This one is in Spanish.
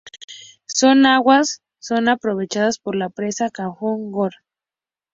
Sus aguas son aprovechadas por la presa Kafue Gorge.